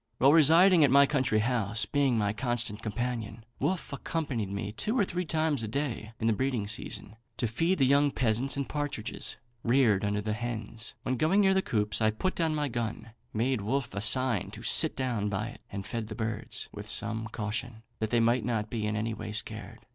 While residing at my country house, being my constant companion, Wolfe accompanied me two or three times a day in the breeding season to feed the young pheasants and partridges reared under hens. On going near the coops, I put down my gun, made Wolfe a sign to sit down by it, and fed the birds, with some caution, that they might not be in any way scared.